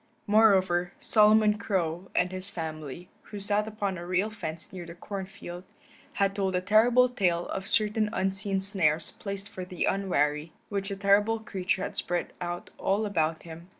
Moreover, Solomon Crow and his family, who sat upon a rail fence near the corn field, had told a terrible tale of certain unseen snares placed for the unwary, which the terrible creature had spread out all about him.